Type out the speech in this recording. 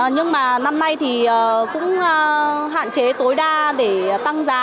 nhưng mà năm nay thì cũng hạn chế tối đa để tăng giá